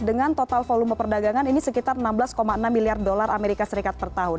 dengan total volume perdagangan ini sekitar enam belas enam miliar dolar amerika serikat per tahun